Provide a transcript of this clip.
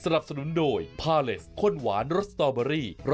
นั่งข่าวบางที